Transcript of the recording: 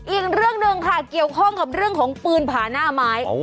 อีกเรื่องหนึ่งค่ะเกี่ยวข้องกับเรื่องของปืนผาหน้าไม้